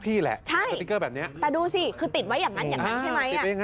ใช่แต่ดูสิคือติดไว้อย่างนั้นอย่างนั้นใช่ไหม